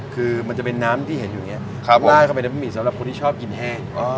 คือมันจะเป็นน้ำที่เห็นอยู่อย่างนี้ลาดเข้าไปในบะหมี่สำหรับคนที่ชอบกินแห้ง